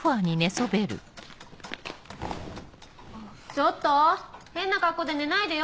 ちょっと変な格好で寝ないでよ